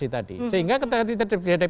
kalau kita dapat kompensasi tadi